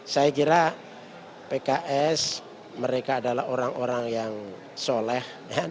saya kira pks mereka adalah orang orang yang soleh